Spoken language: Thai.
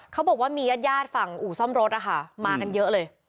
เขาบอกว่ามีญาติฝั่งอู่ซ่อมรถนะคะมากันเยอะเลย